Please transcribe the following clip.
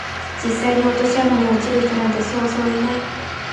実際に落とし穴に落ちる人なんてそうそういない